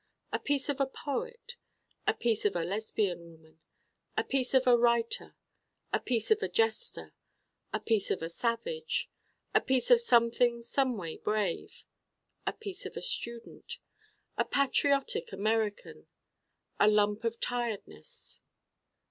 a piece of a poet. a piece of a Lesbian woman. a piece of a writer. a piece of a jester. a piece of a savage. a piece of something someway brave. a piece of a student. a patriotic American. a lump of tiredness.